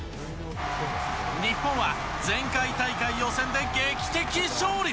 日本は前回大会予選で劇的勝利。